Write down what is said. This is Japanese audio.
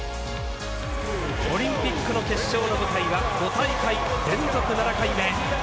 オリンピックの決勝の舞台は、５大会連続７回目。